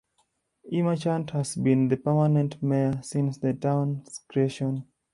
E. Marchant has been the permanent Mayor since the towns creation.